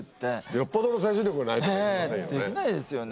よっぽどの精神力がないとできませんよね。